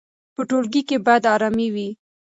په ټولګي کې باید ارامي وي.